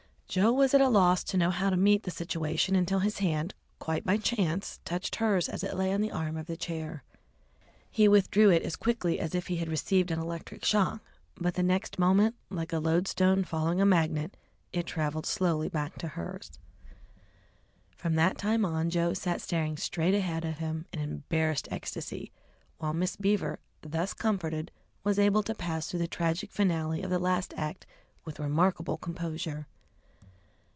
Joe was at a loss to know how to meet the situation until his hand, quite by chance, touched hers as it lay on the arm of her chair. He withdrew it as quickly as if he had received an electric shock, but the next moment, like a lodestone following a magnet, it traveled slowly back to hers. From that time on Joe sat staring straight ahead of him in embarrassed ecstasy, while Miss Beaver, thus comforted, was able to pass through the tragic finale of the last act with remarkable composure.